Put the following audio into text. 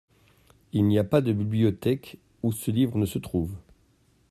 Il n’y a pas de bibliothèque où ce livre ne se trouve.